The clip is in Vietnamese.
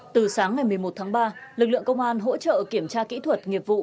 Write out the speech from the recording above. từ sáng ngày một mươi một tháng ba lực lượng công an hỗ trợ kiểm tra kỹ thuật nghiệp vụ